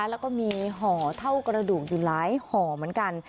แล้วก็มีห่อเท่ากระดูกอยู่หลายห่อเหมือนกัน